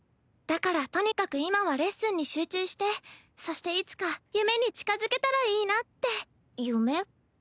だからとにかく今はレッスンに集中してそしていつか夢に近づけたらいいなって。